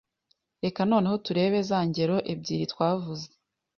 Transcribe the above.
Reka noneho turebe za ngero ebyiri twavuze.